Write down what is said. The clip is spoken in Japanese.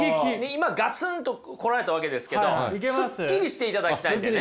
今ガツンと来られたわけですけどスッキリしていただきたいんでね。